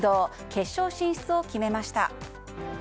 決勝進出を決めました。